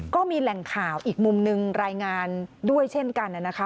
ก็มีแหล่งข่าวอีกมุมหนึ่งรายงานด้วยเช่นกันนะคะ